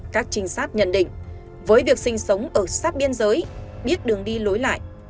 các trinh sát nhận định với việc sinh sống ở sát biên giới biết đường đi lối lại